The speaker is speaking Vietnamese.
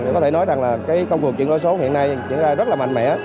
có thể nói rằng công cuộc chuyển đổi số hiện nay diễn ra rất mạnh mẽ